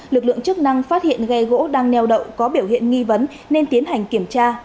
lực lượng chức năng phát hiện ghe gỗ đang neo đậu có biểu hiện nghi vấn nên tiến hành kiểm tra